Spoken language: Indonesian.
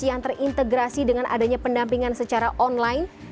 yang terintegrasi dengan adanya pendampingan secara online